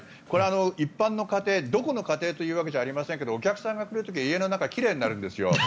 これは一般の家庭どこの家庭というわけじゃありませんがお客さんが来る時は家の中が奇麗になるんです。